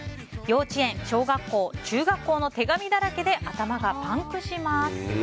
幼稚園、小学校、中学校の手紙だらけで頭がパンクします。